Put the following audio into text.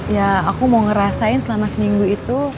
ya aku mau ngerasain selama seminggu itu